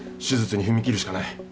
手術に踏み切るしかない。